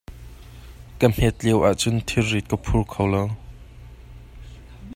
Ka hmet lioah cun thilrit ka phur kho lo.